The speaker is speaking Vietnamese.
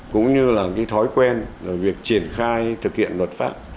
cũng như là cái thói quen việc triển khai thực hiện luật pháp